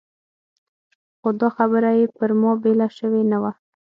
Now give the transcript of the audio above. خو دا خبره یې پر ما بېله شوې نه وه.